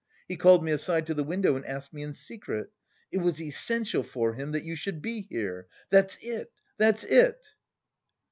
He called me aside to the window and asked me in secret. It was essential for him that you should be here! That's it, that's it!"